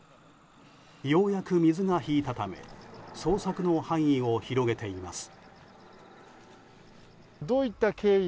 ようやく水が引いたため捜索の範囲を広げています。